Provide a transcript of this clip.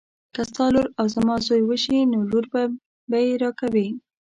که ستا لور او زما زوی وشي نو لور به یې راکوي.